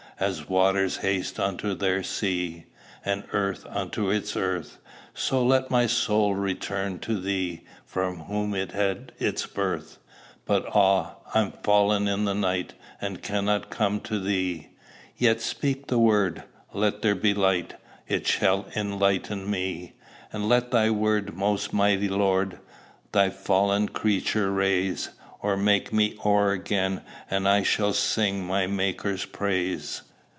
As waters haste unto their sea, And earth unto its earth, So let my soul return to thee, From whom it had its birth. "But, ah! I'm fallen in the night, And cannot come to thee: Yet speak the word, 'Let there be light;' It shall enlighten me. And let thy word, most mighty Lord, Thy fallen creature raise: Oh! make me o'er again, and I Shall sing my Maker's praise."